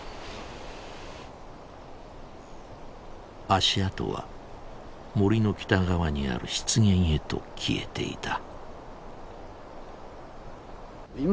足跡は森の北側にある湿原へと消えていた。